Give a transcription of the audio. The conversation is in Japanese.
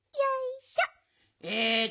えっと